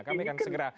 kami akan segera